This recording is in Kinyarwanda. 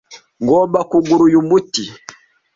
Ngomba kugura uyu muti.